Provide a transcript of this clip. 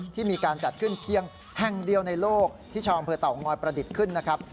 ที่มีการจัดขึ้นเพียงแห่งเดียวในโลกที่ชาวอำเภอเต่างอยประดิษฐ์ขึ้นนะครับ